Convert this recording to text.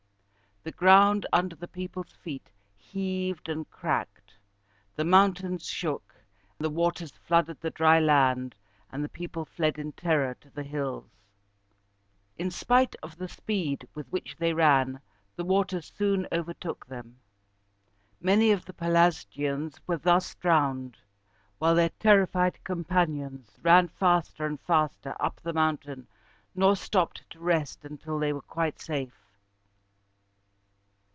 The ground under the people's feet heaved and cracked, the mountains shook, the waters flooded the dry land, and the people fled in terror to the hills. In spite of the speed with which they ran, the waters soon overtook them. Many of the Pelasgians were thus drowned, while their terrified companions ran faster and faster up the mountain, nor stopped to rest until they were quite safe.